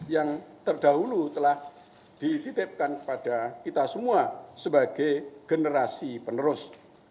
yang terdahulu telah dititipkan kepada kita semua sebagai generasi penerus